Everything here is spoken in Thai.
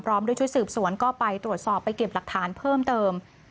ด้วยชุดสืบสวนก็ไปตรวจสอบไปเก็บหลักฐานเพิ่มเติม